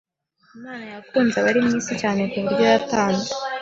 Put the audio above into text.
Imana yakunze abari mu isi cyane ku buryo yatanze